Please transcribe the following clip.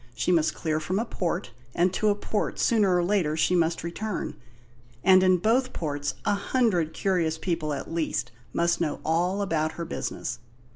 She must clear from a port, and to a port sooner or later she must return; and in both ports a hundred curious people at least must know all about her business.